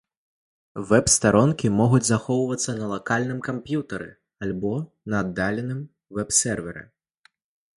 Вэб-старонкі могуць захоўвацца на лакальным камп'ютары альбо на аддаленым вэб-серверы.